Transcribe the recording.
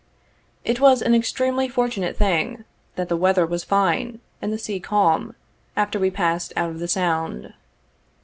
It was an extremely fortunate thing, that the weather was fine, and the sea calm, after we passed out of the Sound.